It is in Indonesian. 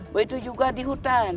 begitu juga di hutan